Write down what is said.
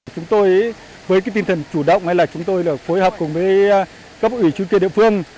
chúng tôi với tinh thần chủ động chúng tôi phối hợp cùng với các bộ ủy chú kia địa phương